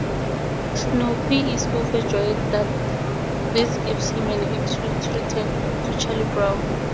Snoopy is overjoyed that this gives him an excuse to return to Charlie Brown.